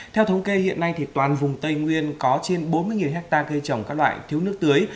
theo thống kê hiện nay toàn vùng tây nguyên có trên bốn mươi hectare cây trồng các loại thiếu nước tưới